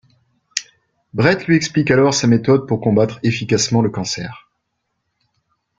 Brett lui explique alors sa méthode pour combattre efficacement le cancer.